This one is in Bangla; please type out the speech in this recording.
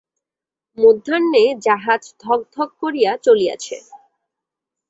মধ্যাহ্নে জাহাজ ধক ধক করিয়া চলিয়াছে।